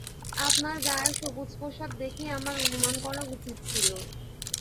আপনার গায়ের সবুজ পোশাক দেখেই আমার অনুমান করা উচিত ছিল।